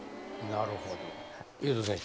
なるほど。